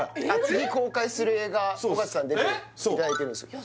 次公開する映画尾形さん出ていただいてるんですよ